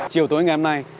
chiều tối ngày hôm nay